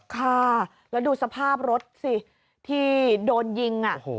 ค่ะแล้วดูสภาพรถสิที่โดนยิง